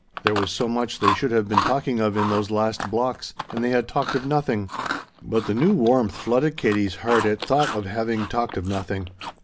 There was so much they should have been talking of in those last blocks and they had talked of nothing. But the new warmth flooded Katie's heart at thought of having talked of nothing.